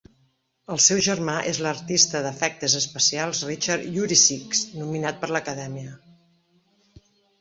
El seu germà és l'artista d'efectes especials Richard Yuricich, nominat per l'Acadèmia.